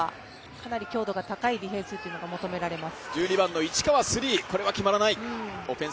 かなり強度が高いディフェンスが求められます。